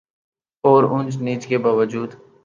اور اونچ نیچ کے باوجود